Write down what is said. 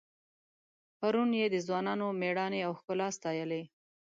پرون یې د ځوانانو میړانې او ښکلا ستایلې.